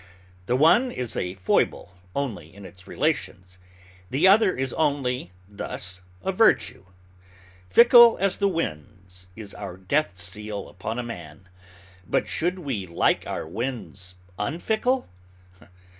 The one is a foible only in its relations. The other is only thus a virtue. "Fickle as the winds" is our death seal upon a man; but should we like our winds unfickle?